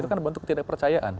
itu kan bentuk ketidakpercayaan